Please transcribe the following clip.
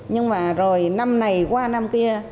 nhưng mà rồi năm này qua năm kia